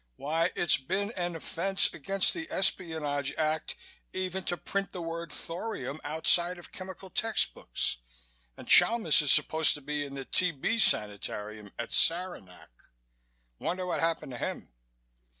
Why, it's been an offense against the Espionage Act, even to print the word 'thorium' outside of chemical textbooks, and Chalmis is supposed to be in the T.B. sanitarium at Saranac. Wonder what happened to him?"